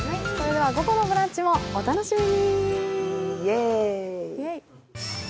午後のブランチもお楽しみに。